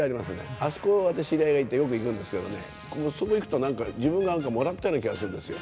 あそこ、私、知り合いがいて、よく行くんですけどね、そこ行くとなんか自分がなんかもらったような気がするんですよ。